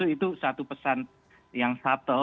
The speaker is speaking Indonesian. itu satu pesan yang fatal